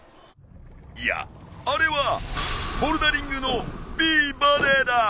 いやあれはボルダリングのピーボディだ。